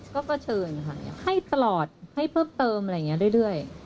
ก็เผชิญค่ะให้ตลอดให้เพิ่มเติมอะไรอย่างนี้เรื่อย